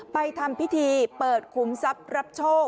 ทำพิธีเปิดขุมทรัพย์รับโชค